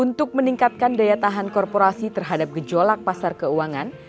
untuk meningkatkan daya tahan korporasi terhadap gejolak pasar keuangan